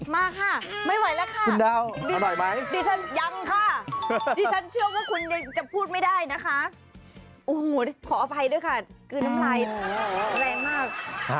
ไม่ไหวละค่ะขออภัยด้วยค่ะคืนน้ำไลน์แรงมาก